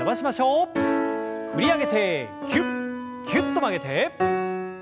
振り上げてぎゅっぎゅっと曲げて。